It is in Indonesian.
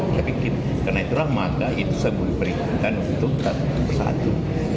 tapi karena itu ramada itu sebuah peringkatan untuk kita bersatu